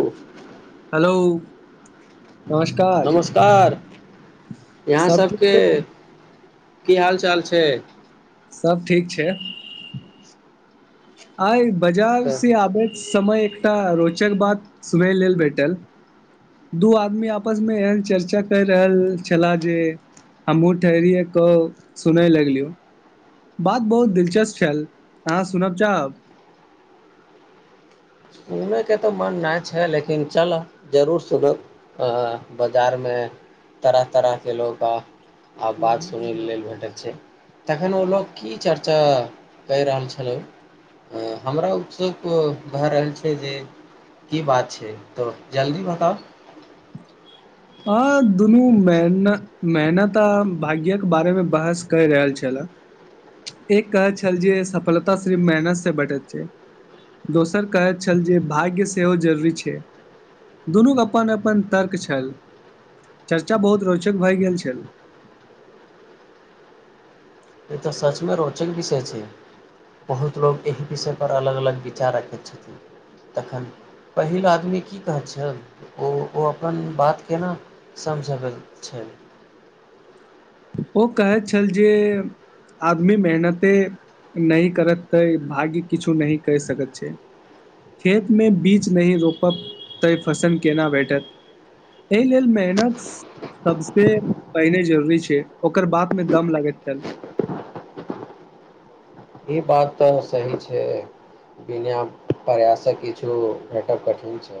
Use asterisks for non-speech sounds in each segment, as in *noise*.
ओ hello नमस्कार नमस्कार यहाँ सब ठीक छै ने सभके की हाल चाल छै सब ठीक छै आ बजार तऽ से आबे समय एकटा रोचक बात सुनय लेल भेटल दू आदमी आपसमे एहन चर्चा करि रहल छलाह जे हमहूँ ठेहरियए कऽ सुनय लगलियौ बात बहुत दिलचस्प छल अहाँ सुनब चाहब सुनैके तऽ मन नहि छै लेकिन चल जरूर सुनब बाजारमे तरह तरहके लोक आब बात सुनै लेल भेटैत छै तखन ओ लोक की चर्चा क रहल छलै हमरा उत्सुक भए रहल जे की बात छै तऽ जल्दी बताउ हँ दुनू मेन मेहनत आ भाग्यके बारेमे बहस कहि रहल छलए एक कहैत छल जे सफलता सिर्फ मेहनतसँ बेटैत छै दोसर कहैत छल जे भाग्य सेहो जरूरी छै दुनूक अपन अपन तर्क छल चर्चा बहुत रोचक भए गेल छल ई तऽ सचमे रोचक विषय छै बहुत लोक एहि विषयपर अलग अलग विचार राखैत छथिन तखन पहिल आदमी की कहैत छै ओ ओ अपन बात केना समझब छै ओ कहैत छल जे आदमी मेहनते नहि करत तै भाग्य किछो नहि कहि सकैत छै खेतमे बीज नहि रोपब तै फसल केना भेटत एहि लेल मेहनत सभसँ पहिने जरूरी छै ओकर बाद मे दम लागैत छल ई बात तऽ सही छै बिना प्रयासक किछो भेटब कठिन छै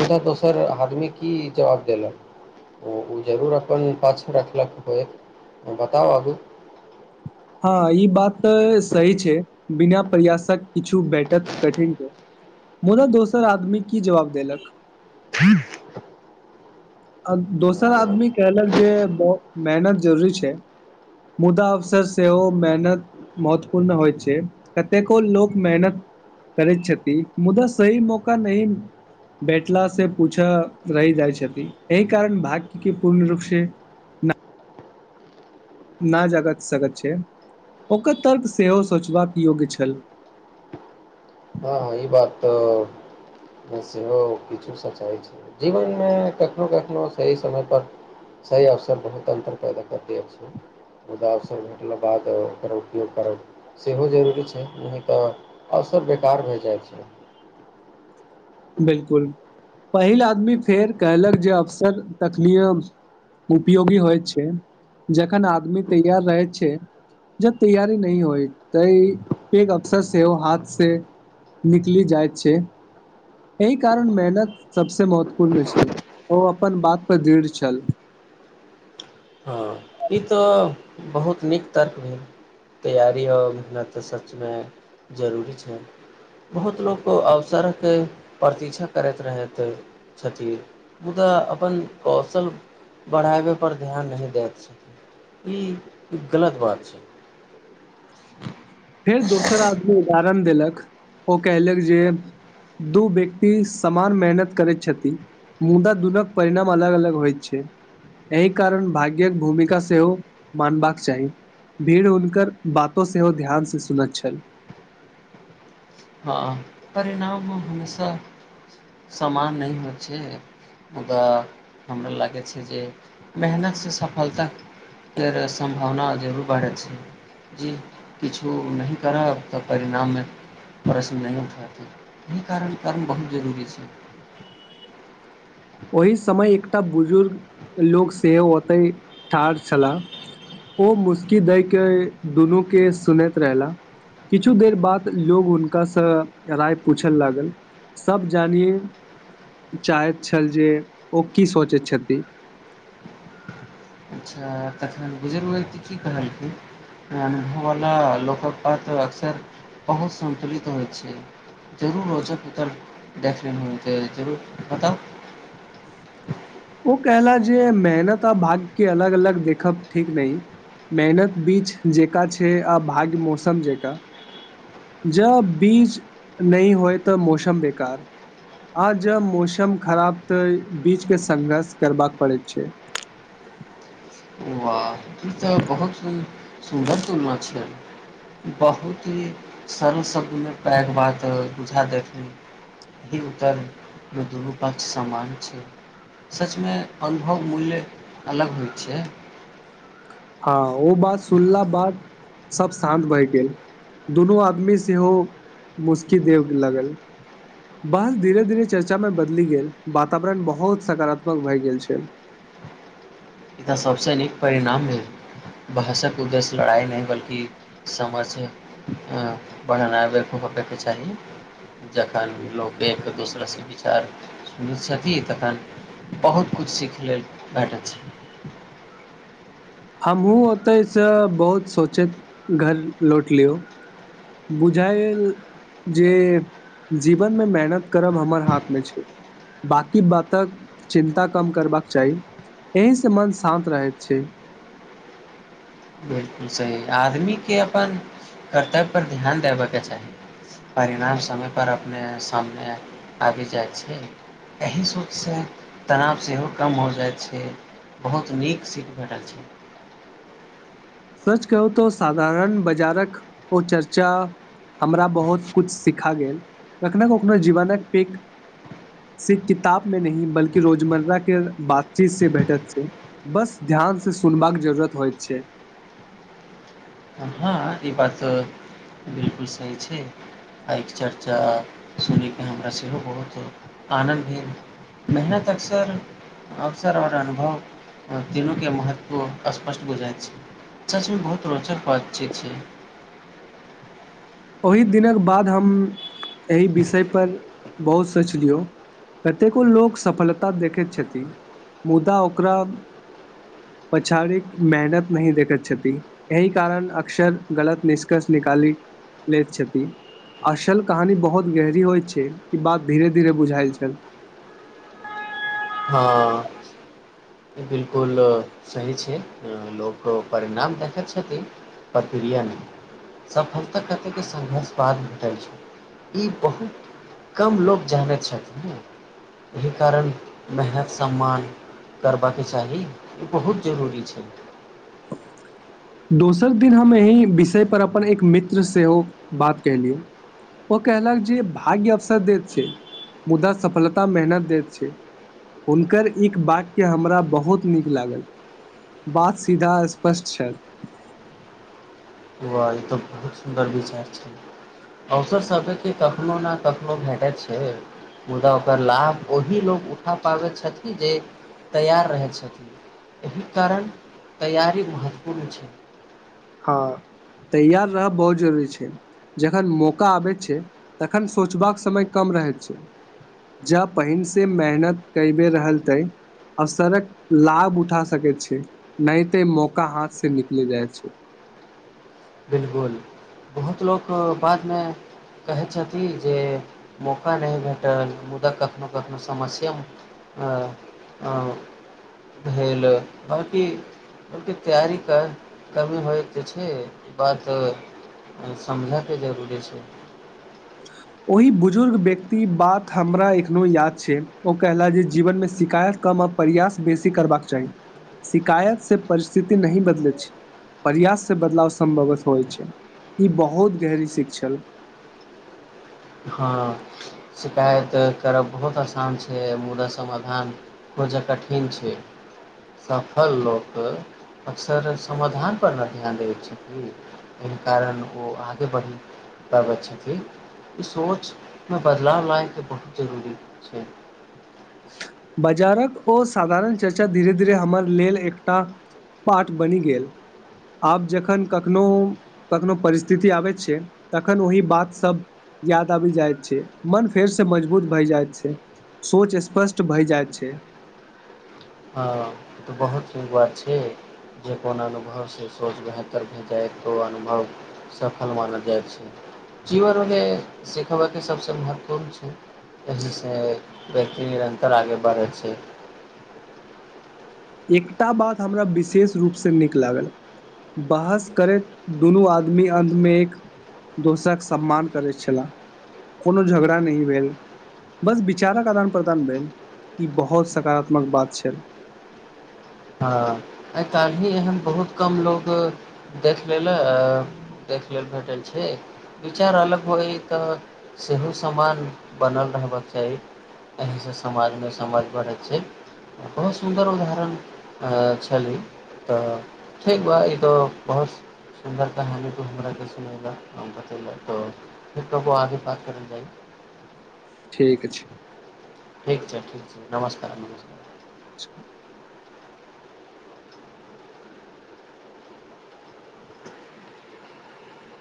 मुदा दोसर आदमी की जवाब देलक ओ जरूर अपन पाछ रखलक होय बताउ आगू ह ई बात तऽ सही छै बिना प्रयासक किछु भेटत कठिन छै मुदा दोसर आदमी की जवाब देलक हँ दोसर आदमी कहलक जे ब मेहनत जरूरी छै मुदा अवसर सेहो मेहनत महत्वपूर्ण होइत छै कतेको लोक मेहनत करैत छथि मुदा सही मौका नही भेठला से पूछऽ रहि जाइ छथि एहि कारण भाग्यके पूर्ण रूपसँ न न जाग सकैत छै ओकर तर्क सेहो सोचबाक योग्य छल हँ ई बात तऽ सेहो किछु सच्चाइ छै जीवनमे कखनो कखनो सही समय पर सही अवसर बहुत अन्तर पैदा करत छै मुदा अवसर भेटला बाद ओकर उपयोग करब सेहो जरूरी छै नहि तऽ अवसर बेकार भए जाय *inaudible* बिलकुल पहिल आदमी फेर कहलक जे अवसर तखल उपयोगी होइत छै जखन आदमी तैयार रहै छै जब तैयारी नहि होय ता एक अवसर सेहो हाथसँ निकलि जाइत छै एहि कारण मेहनत सबसे महत्वपूर्ण छै ओ अपन बात पर दृढ़ छल हँ ई तऽ बहुत नीक तर्क भेल तैयारी आओर मेहनतऽ सचमे जरूरी छै बहुत लोक अवसरके प्रतीक्षा करैत रहैत छथिन मुदा अपन कौशल बढ़ाबैपर ध्यान नहि दैत छथिन ई एक गलत बात छै फेर दोसर आदमी उदारण देलक ओ कहलक जे दू व्यक्ति समान मेहनत करैत छथि मुदा दुूनक परिणाम अलग अलग होयत छै एहि कारण भाग्य्यक भूमिका सेहो मानबाक चाही भीड़ हुनकर बातो सेहो ध्यान सुन छल हँ परिणाममे हमेशा समान नहि होइत छै मुदा हमरा लागै छै जे मेहनतसँ सफलताके सम्भावना जरूर बढ़ै छै जी किछो नहि करब तऽ परिणाममे प्रश्न नहि उठयतै एहि कारण कर्म बहुत जरूरी छै ओहि समय एकटा बुजुर्ग लोको सेहो ओते ठाढ़ छलाह ओ मुस्की दय के दुनू के सुनैत रहला किछु देर बाद लोग हुनकासँ राय पूछय लागल सभ जानिय चाहैत छल ओ की सोचै छथि अच्छा तखन बुजुर्ग त की कहलखिन ओना लोकक पात्र अक्सर बहुत सतुलित होइत छै जरूर रोचक उतर देख ले त जरूर बताउ ओ कहला जे मेहनत आ भाग्य के अलग अलग देखब ठीक नहि मेहनत बीच जेका छै आ भाग्य मौसम जेका जब बीज नहि होय तऽ मौसम बेकार आ जब मौसम खराब तऽ बीज के संघर्ष करबाक पड़ैत छै वाह ई तऽ बहुत ही सुन्दर तुलना छिय बहुत ही सरल शब्दमे पैघ बात बुझा देखली ई उत्तरमे दुनू पक्ष सान छै सचमे अनुभव मूल्य अलग होइ छै हँ ओ बात सुनला बाद सब शान्त भए गेल दुनू आदमी सेहो मुस्की देब लगल बस धीरे धीरे चर्चामे बदली गेल वातावरण बहुत सकारात्मक भए गेल छै ई तऽ सभसँ नीक परिणाम भेल भहषक उद्देश्य लड़ाइ नहि बल्कि समझ बढ़नाब होबयके चाही जखन लोक एकके दोसराससँ विचार सुनैत छथिन तखन बहुत किछु सीख लेल भेटैत छै ह हमहहुँ ओतैसँ बहुत सोचैत घर लौट लियौ बुझाय जे जीवनमे मेहनत करब हमर हाथमे छै बकी बातक चिन्ता कम करबाक चाही एहिसँ मन शान्त रहैत छै सही आदमीके अपन कर्तव्य पर ध्यान देबयके चाही परिणाम समय पर अपने सामने आबि जाइ छै एहि सोचसँ तनाव सेहो कम हो जाइ छै बहुत नीक सीख भेटल छै सर्च कहू तऽ साधारण बाजारक ओ चर्चा हमरा बहुत कुछु सिखा गेल कखनो कखनो जीवनक प सिर् किताब मे न बल्कि रोजमर्राके बातचीत से भेटत छै बस ध्यान से सुनबाक जरूरत होइत छै हँ ई बात बिलकुल सही छै आ चर्चा सुनैके हमरा सेहो बहुत आनन्द भेल मेहनत अवसर अवसर आओर अनुभव तीनूके महत्व स्पष्ट बुझाइत छै सचमे बहुत रोचक बात ठीक छै ओहि दिनक बाद हम एहि विषय पर बहुत सोच लियौ कतेको लोक सफलता देखैत छथिन मुदा ओकरा पछाड़िक मेहनत नहि देखैत छथि एहि कारण अक्सर गलत निष्कर्ष निकाली लैत छथि असल कहानी बहुत गहरी होइत छै ई बात धीरे धीरे बुझायल छल हँ ई बिलकुल सही छै लोक परिणाम देखैत छथिन प्रक्रिया नहि सफलता कतेके संघर्ष बाद भेटल छै ई बहुत कम लोक जानैत छथिन ने एहि कारण मेहनत सम्मान करबाके चाही ई बहुत जरूरी छै दोसर दिन हम एहि विषयपर अपन एक मित्र सेहो बात केलियौ ओ कहलक जे भाग्य अवसर दैत छै मुदा सफलता मेहनत दैत छै हुनकर एक वाक्य हमरा बहुत नीक लागल बात सीधा स्पष्ट छल ओ ई तऽ बहुत सुन्दर विचार छै अवसर सभकेके कखनोहु ने कखनोहु भेटैत छै मुदा ओकर लाभ ओही लोको उठा पाबै छथिन जे तैयार रहै छथिन एहि कारण तैयारी महत्वपूर्ण छै हँ तैयार रहब बहुत जरूरी छै जखन मौका आबैत छै तखन सोचबाक समय कम रहैत छै जब पहिनसँ मेहनत क बेर रहल तै अवसरक लाभ उठा सकैत छै नहि तऽ मौका हाथसँ निकलि जाइत छै बिलकुल बहुत लोक बादमे कहैत छथिन जे मौका नहि भेटल मुदा कखनोहु कखनोहु समस्या भेल बाँकी ब तैयारीके कमी होयके जे छै बात समझयके जरूरी छै ओहि बुजुर्ग व्यक्ति बात हमरा एखनो याद छै ओ कहला जे जीवनमे शिकायत कम आ प्रयास बेसी करबाक चाही शिकायतसँ परिस्थिति नहि बदलैत छै प्रयाससँ बदलाव सम्भवत होइत छै ई बहुत गहरी शिक छल हँ शिकायत करब बहुत आसान छै मुदा समाधान बहुत जे कठिन छै सफल लोक अक्सर समाधानपर नहि ध्यान दबैत छथिन एहि कारण ओ आगे बढ़ि पाबैत छथिन ई सोचमे बदलाव लाबयके बहुत जरूरी छै बाजारक ओ साधारण चर्चा धीरे धीरे हमर लेल एकटा पाठ बनि गेल आब जखन कखनो कखनो परिस्थिति आबैत छै तखन ओहि बात सब याद आबि जाइत छै मन फेरसँ मजबूत भय जाइत छै सोच स्पष्ट भए जाइत छै हँ तऽ बहुत नीक बात छै जे कोन अनुभवसँ सोच बेहतर भे जाय तऽ ओ अनुभव सफल मानल जाइ छै जीवनमे सिखबयके सभसँ महत्वपूर्ण छै एहिसँ व्यक्ति निरन्तर आगे बढ़ै छै एकटा बात हमरा विशेष रूपसँ नीक लागल बहस करैत दुनू आदमी अन्तमे एक दोसरक सम्मान करैत छलह कोनो झगड़ा नहि भेल बस विचारक आदान प्रदान भेल ई बहुत सकारात्मक बात छल हँ आइ काल्हि ही एहन बहुत कम लोको देख लेल देख लेल भेटल छै विचार अलग होइ तऽ सेहो समान बनल रहबाक चाही एहिसँ समाजमे समझ बढ़ैत छै बहुत सुन्दर उदाहरण छाली तऽ ठीक ब ई बहुत सुन्दर कहानी हमरा क सुन तऽ ीक ब आगे बात कर जा ठीके छै ठीक छै ठीक छै नमस्कार अचछा